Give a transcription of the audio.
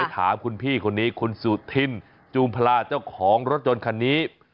ถามคุณพี่คนนี้คุณสุธินจูมพลาเจ้าของรถยนต์คันนี้